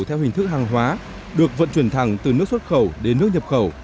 theo hình thức hàng hóa được vận chuyển thẳng từ nước xuất khẩu đến nước nhập khẩu